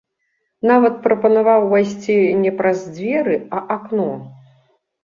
Нават прапанаваў увайсці не праз дзверы, а акно.